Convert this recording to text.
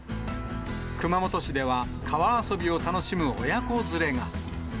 熊本市では川遊びを楽しむ親子連れが。